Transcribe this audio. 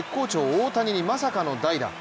大谷にまさかの代打。